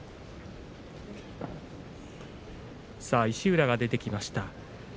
石浦が出てきました。